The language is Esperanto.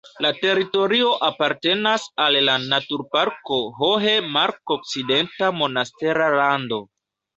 La teritorio apartenas al la naturparko Hohe Mark-Okcidenta Monastera Lando.